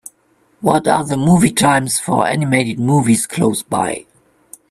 what are the movie times for animated movies close by